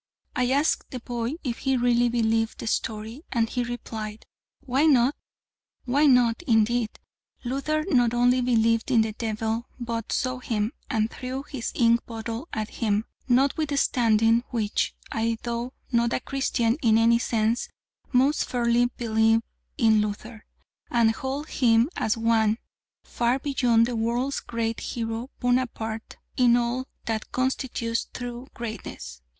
I asked the boy if he really believed the story, and he replied, "Why not?" Why not, indeed! Luther not only believed in the devil, but saw him, and threw his ink bottle at him; notwithstanding which, I, though not a Christian in any sense, most firmly believe in Luther, and hold him as one far beyond the world's great hero Bonaparte in all that constitutes true greatness.